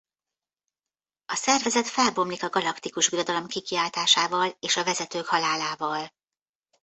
A szervezet felbomlik a Galaktikus Birodalom kikiáltásával és a vezetők halálával.